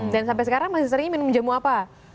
dan sampai sekarang masih sering minum jamu apa